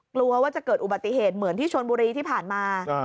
กลัวว่าจะเกิดอุบัติเหตุเหมือนที่ชนบุรีที่ผ่านมา